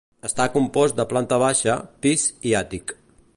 Està compost de planta baixa, pis i àtic.